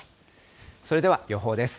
それでは予報です。